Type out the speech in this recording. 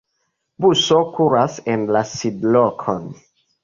Buso kuras en la sidlokon.